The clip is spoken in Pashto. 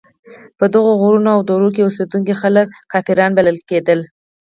په دغو غرونو او درو کې اوسېدونکي خلک کافران بلل کېدل.